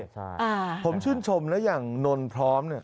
ใช่ผมชื่นชมแล้วอย่างนนท์พร้อม